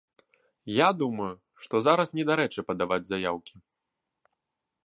Я думаю, што зараз недарэчы падаваць заяўкі.